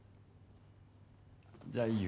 じゃあ、いいよ